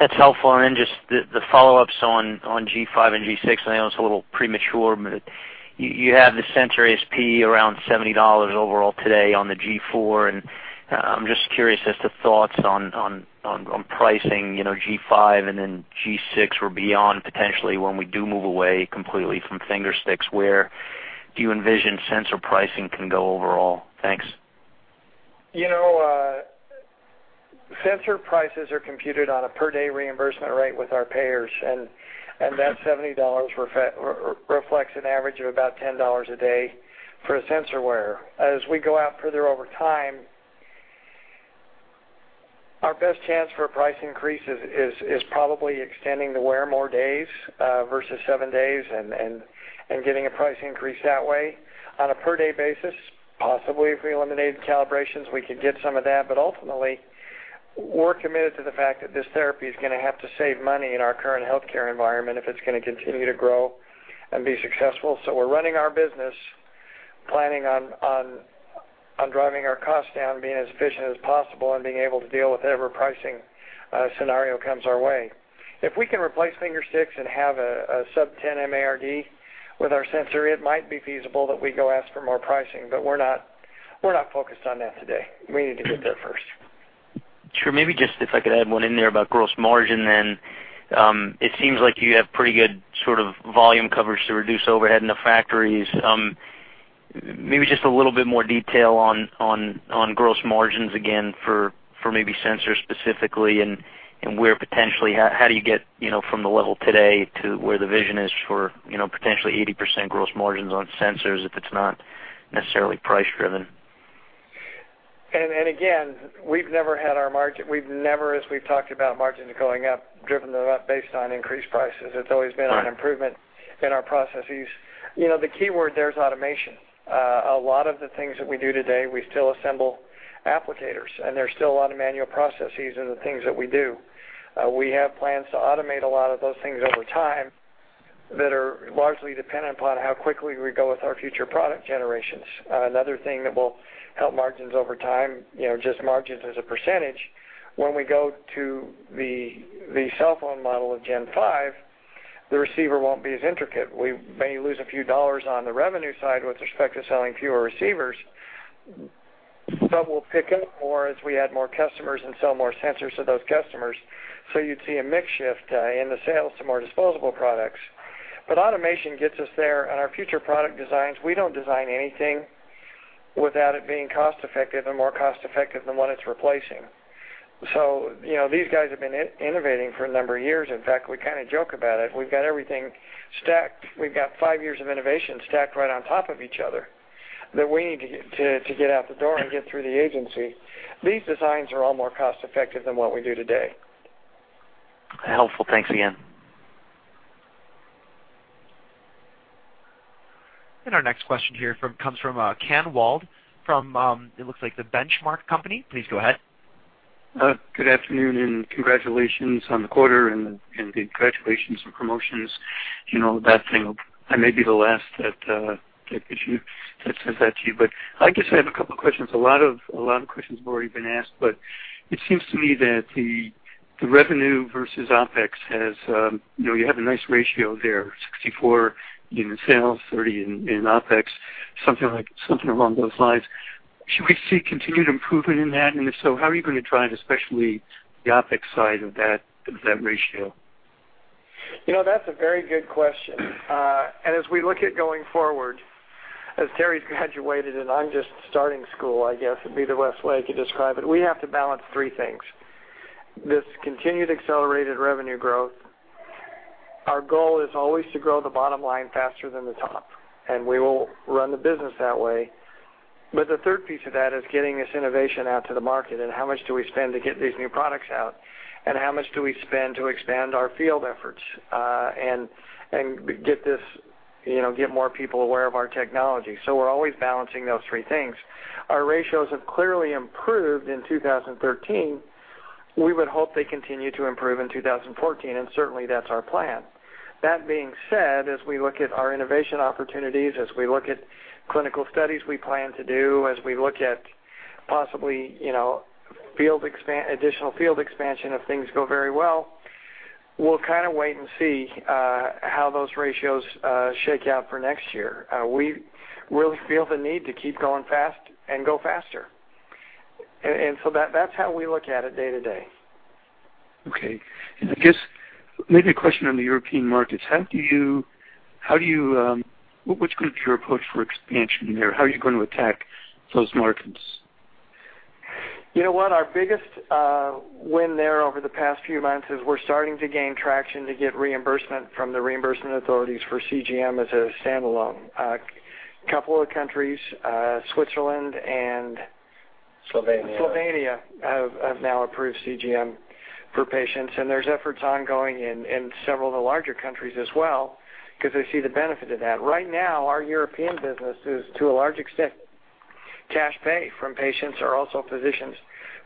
That's helpful. Then just the follow-ups on G5 and G6. I know it's a little premature, but you have the sensor ASP around $70 overall today on the G4, and I'm just curious as to thoughts on pricing, you know, G5 and then G6 or beyond potentially when we do move away completely from finger sticks. Where do you envision sensor pricing can go overall? Thanks. You know, sensor prices are computed on a per day reimbursement rate with our payers. That $70 reflects an average of about $10 a day for a sensor wear. As we go out further over time, our best chance for a price increase is probably extending the wear more days versus 7 days and getting a price increase that way. On a per day basis, possibly if we eliminate calibrations, we could get some of that. Ultimately, we're committed to the fact that this therapy is gonna have to save money in our current healthcare environment if it's gonna continue to grow and be successful. We're running our business planning on driving our costs down, being as efficient as possible, and being able to deal with whatever pricing scenario comes our way. If we can replace finger sticks and have a sub-10 MARD with our sensor, it might be feasible that we go ask for more pricing, but we're not focused on that today. We need to get there first. Sure. Maybe just if I could add one in there about gross margin then. It seems like you have pretty good sort of volume coverage to reduce overhead in the factories. Maybe just a little bit more detail on gross margins again for maybe sensors specifically and where potentially how do you get, you know, from the level today to where the vision is for, you know, potentially 80% gross margins on sensors if it's not necessarily price driven? Again, we've never, as we've talked about margins going up, driven them up based on increased prices. Right. It's always been on improvement in our processes. You know, the key word there is automation. A lot of the things that we do today, we still assemble applicators, and there's still a lot of manual processes in the things that we do. We have plans to automate a lot of those things over time that are largely dependent upon how quickly we go with our future product generations. Another thing that will help margins over time, you know, just margins as a percentage, when we go to the cell phone model of Gen five, the receiver won't be as intricate. We may lose a few dollars on the revenue side with respect to selling fewer receivers, but we'll pick up more as we add more customers and sell more sensors to those customers. You'd see a mix shift in the sales to more disposable products. Automation gets us there. On our future product designs, we don't design anything without it being cost effective and more cost effective than what it's replacing. These guys have been innovating for a number of years. In fact, we kind of joke about it. We've got everything stacked. We've got five years of innovation stacked right on top of each other that we need to get out the door and get through the agency. These designs are all more cost effective than what we do today. Helpful. Thanks again. Our next question here comes from Ken Wald from The Benchmark Company. Please go ahead. Good afternoon and congratulations on the quarter and the congratulations on promotions. You know, that thing, I may be the last that says that to you. I guess I have a couple questions. A lot of questions have already been asked, but it seems to me that the revenue versus OpEx has, you know, you have a nice ratio there, 64 in sales, 30 in OpEx, something along those lines. Should we see continued improvement in that? If so, how are you gonna drive, especially the OpEx side of that ratio? You know, that's a very good question. As we look at going forward, as Terry's graduated and I'm just starting school, I guess, would be the best way I could describe it. We have to balance three things. This continued accelerated revenue growth. Our goal is always to grow the bottom line faster than the top, and we will run the business that way. The third piece of that is getting this innovation out to the market, and how much do we spend to get these new products out? How much do we spend to expand our field efforts, and get this, you know, get more people aware of our technology? We're always balancing those three things. Our ratios have clearly improved in 2013. We would hope they continue to improve in 2014, and certainly that's our plan. That being said, as we look at our innovation opportunities, as we look at clinical studies we plan to do, as we look at possibly, you know, additional field expansion if things go very well, we'll kind of wait and see how those ratios shake out for next year. We really feel the need to keep going fast and go faster. That's how we look at it day to day. Okay. I guess maybe a question on the European markets. What's going to be your approach for expansion there? How are you going to attack those markets? You know what? Our biggest win there over the past few months is we're starting to gain traction to get reimbursement from the reimbursement authorities for CGM as a standalone. A couple of countries, Switzerland and- Slovenia. Slovenia have now approved CGM for patients, and there's efforts ongoing in several of the larger countries as well because they see the benefit of that. Right now, our European business is to a large extent cash pay from patients or also physicians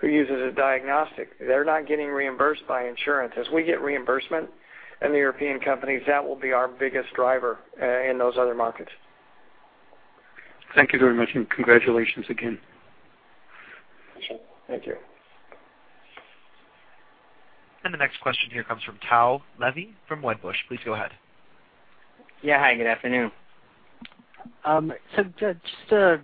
who use it as diagnostic. They're not getting reimbursed by insurance. As we get reimbursement in the European countries, that will be our biggest driver in those other markets. Thank you very much, and congratulations again. Thank you. The next question here comes from Tao Levy from Wedbush. Please go ahead. Yeah. Hi, good afternoon. So just a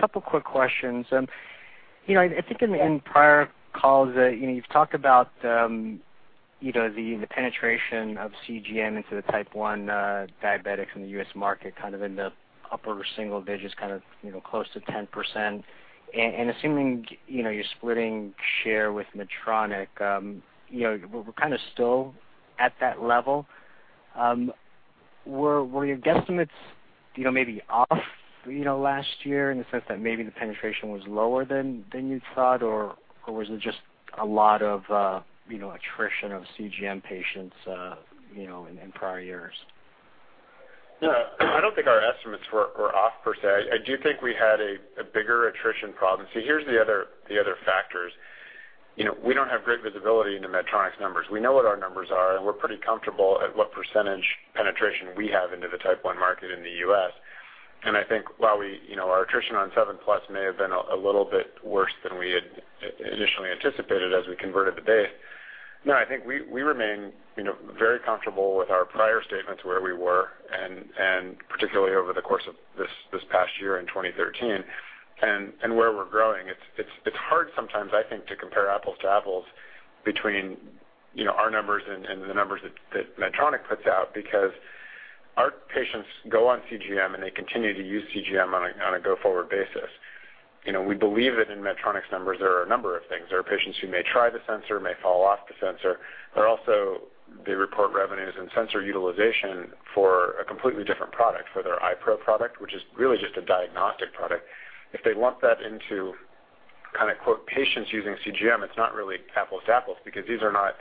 couple quick questions. You know, I think in prior calls, you know, you've talked about you know, the penetration of CGM into the Type 1 diabetics in the U.S. market, kind of in the upper single digits, kind of you know, close to 10%. Assuming you know, you're splitting share with Medtronic, you know, we're kind of still at that level. Were your guesstimates you know, maybe off you know, last year in the sense that maybe the penetration was lower than you thought, or was it just a lot of you know, attrition of CGM patients you know, in prior years? No, I don't think our estimates were off, per se. I do think we had a bigger attrition problem. See, here's the other factors. You know, we don't have great visibility into Medtronic's numbers. We know what our numbers are, and we're pretty comfortable at what percentage penetration we have into the Type 1 market in the U.S. I think while we, you know, our attrition on Seven Plus may have been a little bit worse than we had initially anticipated as we converted the base. No, I think we remain, you know, very comfortable with our prior statements where we were and particularly over the course of this past year in 2013, and where we're growing. It's hard sometimes, I think, to compare apples to apples between, you know, our numbers and the numbers that Medtronic puts out because our patients go on CGM, and they continue to use CGM on a go-forward basis. You know, we believe that in Medtronic's numbers, there are a number of things. There are patients who may try the sensor, may fall off the sensor. There are also. They report revenues and sensor utilization for a completely different product, for their iPro product, which is really just a diagnostic product. If they lump that into kind of "patients using CGM," it's not really apples to apples because these are not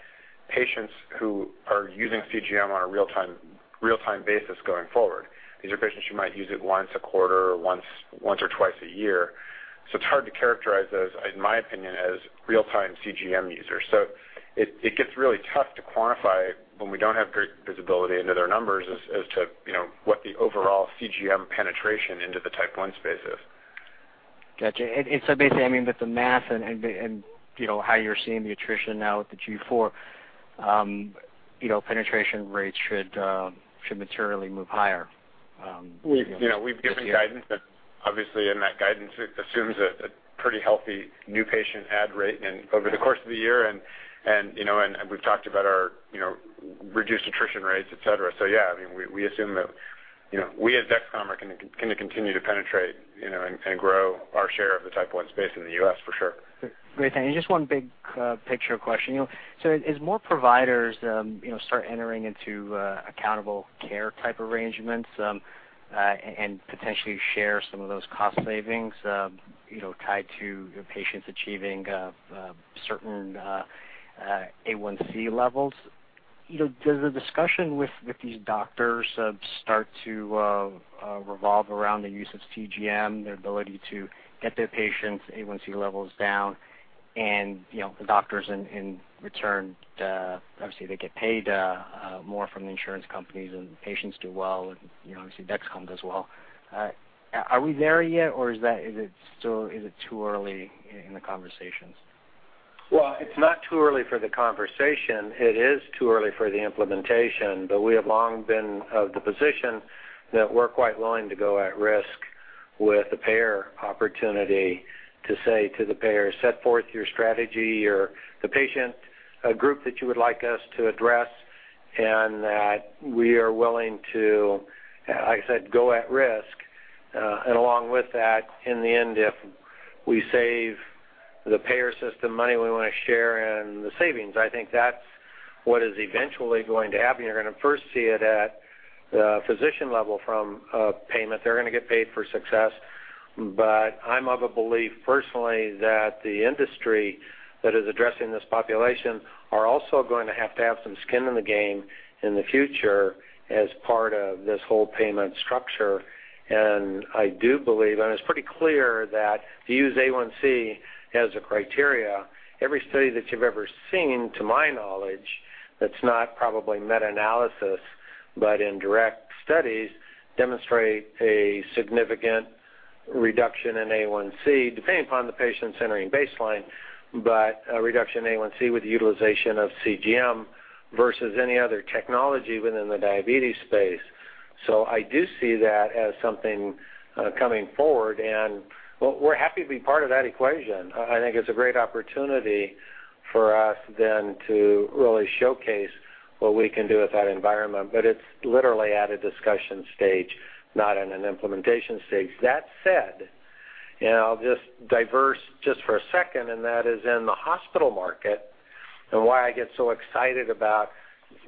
patients who are using CGM on a real time basis going forward. These are patients who might use it once a quarter or once or twice a year. It's hard to characterize those, in my opinion, as real-time CGM users. It gets really tough to quantify when we don't have great visibility into their numbers as to, you know, what the overall CGM penetration into the Type 1 space is. Got you. Basically, I mean, with the math and, you know, how you're seeing the attrition now with the G4, you know, penetration rates should materially move higher. We've, you know, we've given guidance that obviously in that guidance assumes a pretty healthy new patient add rate and over the course of the year and, you know, and we've talked about our, you know, reduced attrition rates, et cetera. Yeah, I mean, we assume that, you know, we at Dexcom are gonna continue to penetrate, you know, and grow our share of the Type 1 space in the U.S. for sure. Great. Just one big picture question. You know, so as more providers, you know, start entering into accountable care type arrangements and potentially share some of those cost savings, you know, tied to your patients achieving certain A1C levels. You know, does the discussion with these doctors start to revolve around the use of CGM, their ability to get their patients A1C levels down and, you know, the doctors in return obviously they get paid more from the insurance companies, and the patients do well, and, you know, obviously, Dexcom does well. Are we there yet, or is it still too early in the conversations? Well, it's not too early for the conversation. It is too early for the implementation. We have long been of the position that we're quite willing to go at risk with the payer opportunity to say to the payer, "Set forth your strategy or the patient, a group that you would like us to address," and that we are willing to, like I said, go at risk. And along with that, in the end, if we save the payer system money we wanna share in the savings. I think that's what is eventually going to happen. You're gonna first see it at the physician level from payment. They're gonna get paid for success. I'm of a belief personally that the industry that is addressing this population are also going to have to have some skin in the game in the future as part of this whole payment structure. I do believe, and it's pretty clear, that to use A1C as a criteria, every study that you've ever seen, to my knowledge, that's not probably meta-analysis, but in direct studies demonstrate a significant reduction in A1C depending upon the patient's entering baseline, but a reduction in A1C with the utilization of CGM versus any other technology within the diabetes space. I do see that as something coming forward, and we're happy to be part of that equation. I think it's a great opportunity for us then to really showcase what we can do with that environment, but it's literally at a discussion stage, not in an implementation stage. That said, I'll just diverge just for a second, and that is in the hospital market and why I get so excited about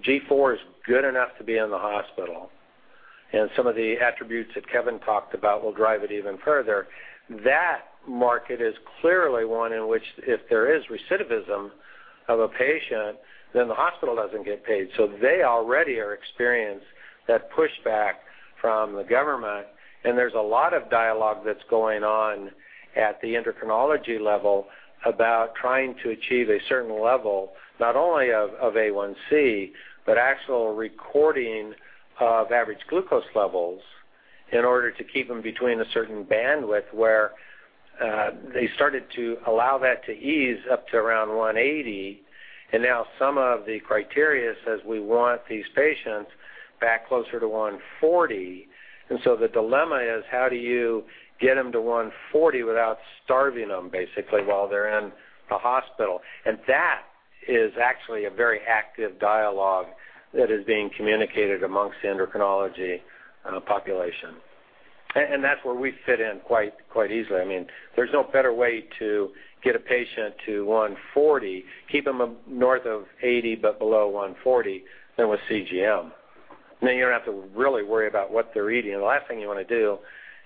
G4 is good enough to be in the hospital, and some of the attributes that Kevin talked about will drive it even further. That market is clearly one in which if there is recidivism of a patient, then the hospital doesn't get paid. They already are experienced that pushback from the government, and there's a lot of dialogue that's going on at the endocrinology level about trying to achieve a certain level, not only of A1C, but actual recording of average glucose levels in order to keep them between a certain bandwidth where they started to allow that to ease up to around 180. Now some of the criteria says we want these patients back closer to 140. The dilemma is, how do you get them to 140 without starving them basically while they're in the hospital? That is actually a very active dialogue that is being communicated amongst the endocrinology population. That's where we fit in quite easily. I mean, there's no better way to get a patient to 140, keep them north of 80 but below 140 than with CGM. You don't have to really worry about what they're eating. The last thing you wanna do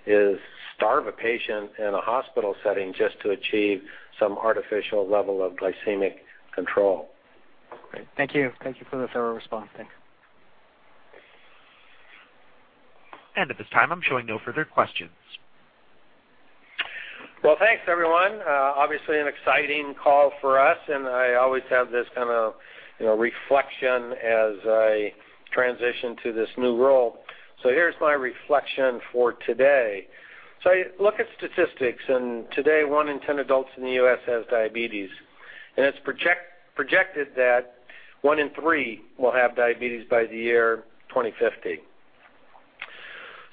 is starve a patient in a hospital setting just to achieve some artificial level of glycemic control. Great. Thank you. Thank you for the thorough response. Thanks. At this time, I'm showing no further questions. Well, thanks, everyone. Obviously an exciting call for us, and I always have this kind of, you know, reflection as I transition to this new role. Here's my reflection for today. Look at statistics, and today, one in ten adults in the U.S. has diabetes, and it's projected that one in three will have diabetes by the year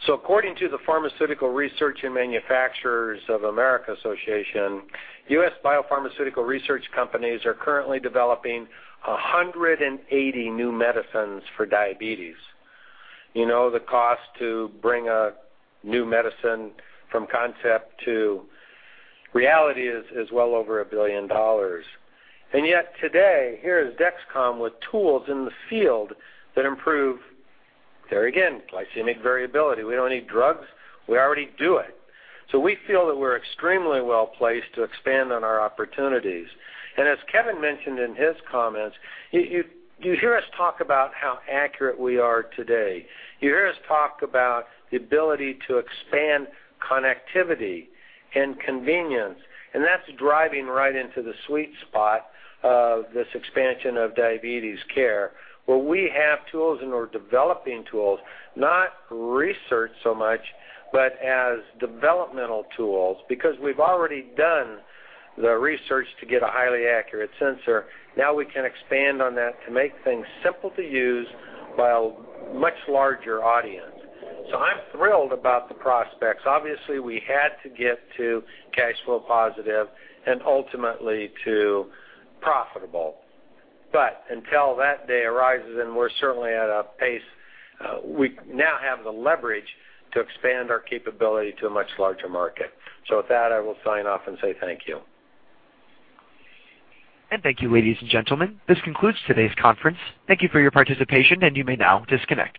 2050. According to the Pharmaceutical Research and Manufacturers of America, U.S. biopharmaceutical research companies are currently developing 180 new medicines for diabetes. You know, the cost to bring a new medicine from concept to reality is well over $1 billion. Yet today, here is Dexcom with tools in the field that improve, there again, glycemic variability. We don't need drugs. We already do it. We feel that we're extremely well-placed to expand on our opportunities. As Kevin mentioned in his comments, you hear us talk about how accurate we are today. You hear us talk about the ability to expand connectivity and convenience, and that's driving right into the sweet spot of this expansion of diabetes care, where we have tools and we're developing tools, not research so much, but as developmental tools. Because we've already done the research to get a highly accurate sensor, now we can expand on that to make things simple to use by a much larger audience. I'm thrilled about the prospects. Obviously, we had to get to cash flow positive and ultimately to profitable. But until that day arises, and we're certainly at a pace, we now have the leverage to expand our capability to a much larger market. With that, I will sign off and say thank you. Thank you, ladies and gentlemen. This concludes today's conference. Thank you for your participation, and you may now disconnect.